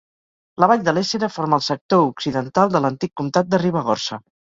La vall de l'Éssera forma el sector occidental de l'antic comtat de Ribagorça.